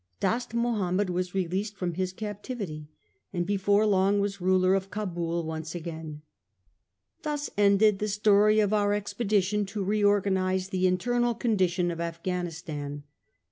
Dost Mahomed "was released from his captivity, and before long was ruler of Cabul once again. Thus ended the story of our expedition to reorganise the internal condition of Afghanistan.